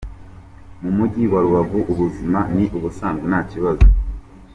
Mu Mujyi wa Rubavu ubuzima ni ubusanzwe nta kibazo.